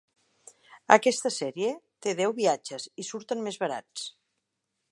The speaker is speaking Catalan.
Aquesta sèrie té deu viatges i surten més barats.